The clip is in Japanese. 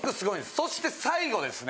そして最後ですね。